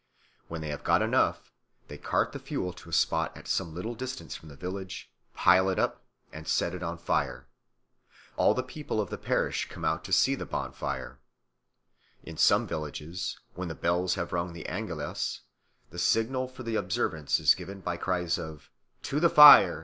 When they have got enough, they cart the fuel to a spot at some little distance from the village, pile it up, and set it on fire. All the people of the parish come out to see the bonfire. In some villages, when the bells have rung the Angelus, the signal for the observance is given by cries of, "To the fire!